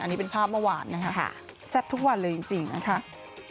อันนี้เป็นภาพเมื่อวานนะคะแซ่บทุกวันเลยจริงนะคะ